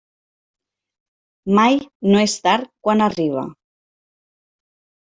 Mai no és tard quan arriba.